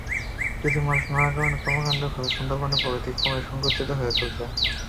কিন্তু মানুষের নানা ধরনের কর্মকাণ্ডের ফলে সুন্দরবনের পরিধি ক্রমেই সংকুচিত হয়ে চলেছে।